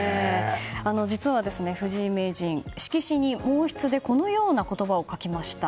実は藤井名人、色紙に毛筆でこのような言葉を書きました。